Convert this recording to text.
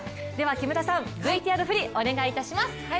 木村さん、ＶＴＲ振りお願いします。